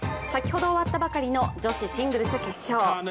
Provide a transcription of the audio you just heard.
先ほど終わったばかりの女子シングルス決勝。